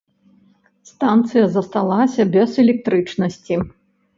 Станцыя засталася без электрычнасці.